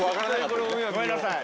ごめんなさい。